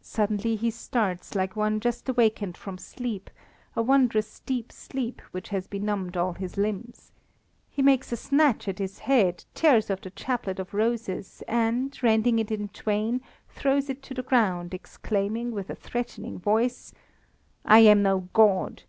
Suddenly he starts like one just awakened from sleep, a wondrously deep sleep which has benumbed all his limbs. He makes a snatch at his head, tears off the chaplet of roses, and, rending it in twain, throws it to the ground, exclaiming, with a threatening voice "I am no god!